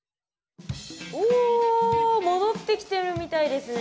お戻ってきてるみたいですね。